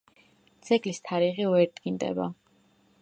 ძეგლის თარიღი ვერ დგინდება.